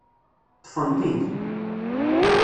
Ṭṭfen-t-id.